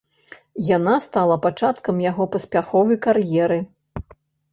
Яна стала пачаткам яго паспяховай кар'еры.